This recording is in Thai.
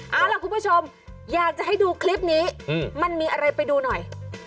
เอาล่ะคุณผู้ชมอยากจะให้ดูคลิปนี้มันมีอะไรไปดูหน่อย